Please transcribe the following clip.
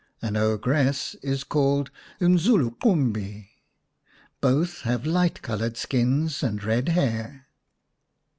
An ogress is called NzuluqumU. Both have light coloured skins and red hair.